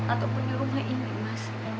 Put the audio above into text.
ataupun di rumah ini mas